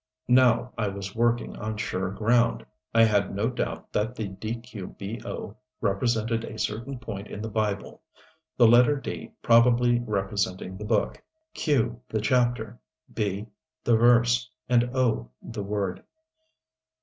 Now I was working on sure ground. I had no doubt but that "dqbo" represented a certain point in the Bible the letter "d" probably representing the book, "q" the chapter, "b" the verse and "o" the word.